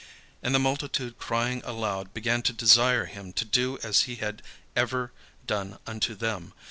And the multitude crying aloud began to desire him to do as he had ever done unto them.